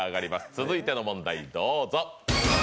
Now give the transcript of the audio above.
続いての問題どうぞ。